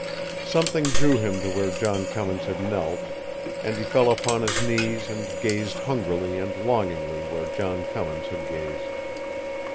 Something drew him to where John Cummins had knelt, and he fell upon his knees and gazed hungrily and longingly where John Cummins had gazed.